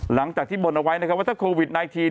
หลังจากที่บ่นเอาไว้ว่าถ้าคอวิด๑๙